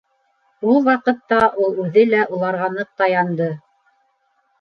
Ул ваҡытта ул үҙе лә уларға ныҡ таянды.